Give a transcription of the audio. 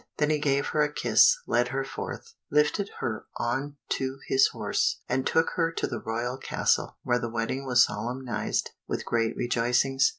Then he gave her a kiss, led her forth, lifted her on to his horse, and took her to the royal castle, where the wedding was solemnized with great rejoicings.